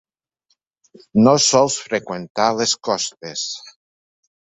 No sols freqüentar les costes.